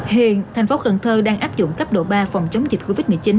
hiện thành phố cần thơ đang áp dụng cấp độ ba phòng chống dịch covid một mươi chín